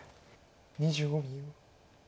２５秒。